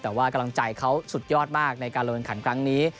แต่ว่ากำลังใจเขาสุดยอดมากในการลงขันครั้งนี้